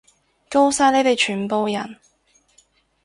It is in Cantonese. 吿晒你哋全部人！